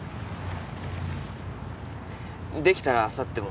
できたらあさっても。